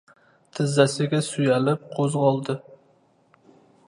Tizzasiga suyalib qo‘zg‘oldi.